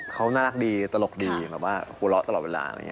เขาน่ารักดีตลกดีหัวเราะตลอดเวลา